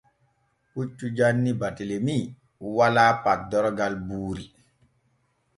Puccu janni Baatelemi walaa paddorgal buuri.